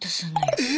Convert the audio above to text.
えっ！